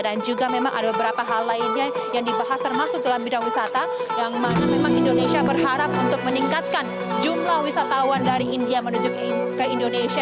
dan juga memang ada beberapa hal lainnya yang dibahas termasuk dalam bidang wisata yang mana memang indonesia berharap untuk meningkatkan jumlah wisatawan dari india menuju ke indonesia